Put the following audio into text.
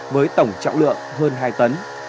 với tổng trọng lượng hơn hai tấn